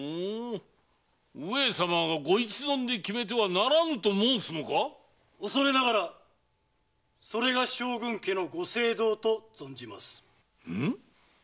上様がご一存で決めてはならぬと申すのか⁉恐れながらそれが将軍家のご政道と存じます。